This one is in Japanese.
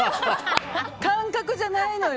感覚じゃないのよ！